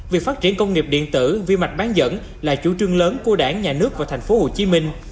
việc phát triển công nghiệp điện tử vi mạch bán dẫn là chủ trương lớn của đảng nhà nước và tp hcm